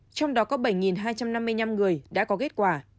trong đó có bảy hai trăm năm mươi năm người đã có kết quả